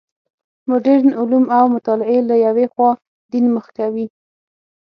مډرن علوم او مطالعې له یوې خوا دین مخ کوي.